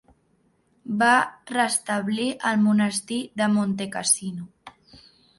Va restablir el monestir de Montecassino.